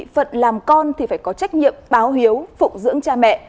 phận làm con thì phải có trách nhiệm báo hiếu phụng dưỡng cha mẹ